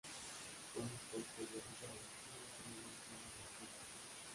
Con posterioridad no se le menciona en las fuentes.